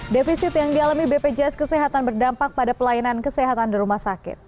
defisit yang dialami bpjs kesehatan berdampak pada pelayanan kesehatan di rumah sakit